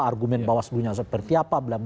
argumen bawah selunya seperti apa